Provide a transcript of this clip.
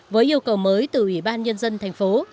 với yêu cầu mới từ ủy ban nhân dân thành phố